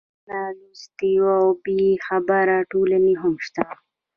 نالوستې او بېخبره ټولنې هم شته.